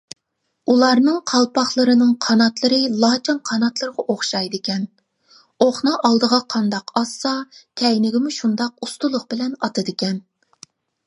ئۇلارنىڭ قالپاقلىرىنىڭ قاناتلىرى لاچىن قاناتلىرىغا ئوخشايدىكەن، ئوقنى ئالدىغا قانداق ئاتسا كەينىگىمۇ شۇنداق ئۇستىلىق بىلەن ئاتىدىكەن.